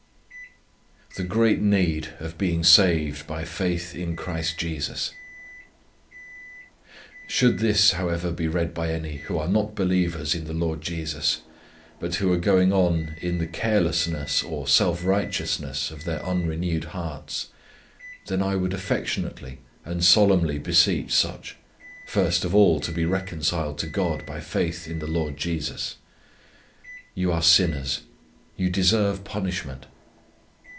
THE GREAT NEED OF BEING SAVED BY FAITH IN CHRIST JESUS. "Should this, however, be read by any who are not believers in the Lord Jesus, but who are going on in the carelessness or self righteousness of their unrenewed hearts, then I would affectionately and solemnly beseech such, first of all to be reconciled to God by faith in the Lord Jesus. You are sinners. You deserve punishment.